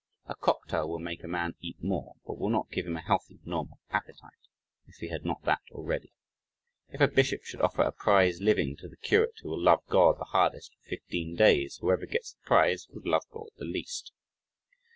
A cocktail will make a man eat more, but will not give him a healthy, normal appetite (if he had not that already). If a bishop should offer a "prize living" to the curate who will love God the hardest for fifteen days, whoever gets the prize would love God the least.